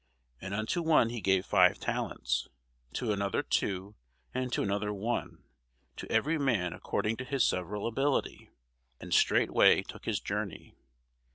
And unto one he gave five talents, to another two, and to another one; to every man according to his several ability; and straightway took his journey.